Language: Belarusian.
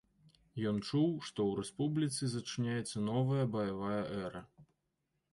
Ён чуў, што ў рэспубліцы зачынаецца новая баявая эра.